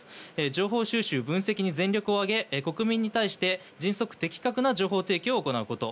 情報収集、分析に全力を挙げ国民に対して迅速・的確な情報提供を行うこと